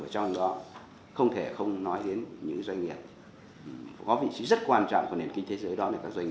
trong đó không thể không nói đến những doanh nghiệp có vị trí rất quan trọng của nền kinh thế giới đó